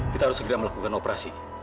kita harus segera melakukan operasi